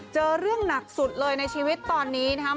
เจอเรื่องหนักสุดเลยในชีวิตตอนนี้นะครับ